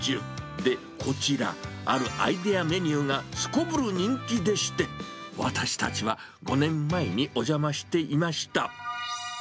で、こちら、あるアイデアメニューがすこぶる人気でして、私たちは５年前にお邪魔していました。